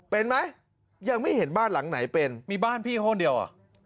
เป็นไหมยังไม่เห็นบ้านหลังไหนเป็นมีบ้านพี่ห้องเดียวอ่ะ